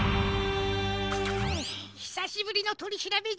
ひさしぶりのとりしらべじゃな。